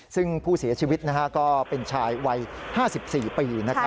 ซึ่งผู้เสียชีวิตก็เป็นชายวัย๕๔ปี